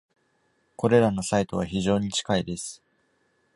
これらのサイトは非常に近いです。